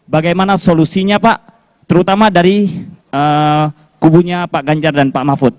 bagaimana solusinya pak terutama dari kubunya pak ganjar dan pak mahfud